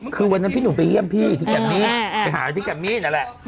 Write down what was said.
คือวันนั้นพี่หนุ่มไปเยี่ยมพี่ที่แกมมี่ไปหาที่แกมมี่นั่นแหละ